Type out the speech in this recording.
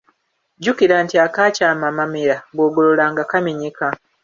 Jjukira nti "Akaakyama amamera bw’ogolola nga kamenyeka".